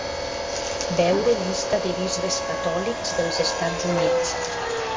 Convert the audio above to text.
Veure "Llista de bisbes catòlics dels Estats Units".